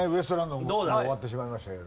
もう終わってしまいましたけど。